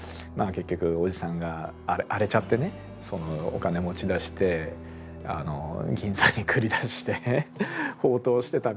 結局叔父さんが荒れちゃってねそのお金持ち出して銀座に繰り出して放蕩してたみたいな。